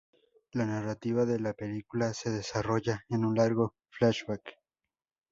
La narrativa de la película se desarrolla en un largo flashback.